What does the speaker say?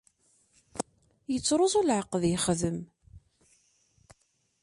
Ittruẓu leɛqed yexdem.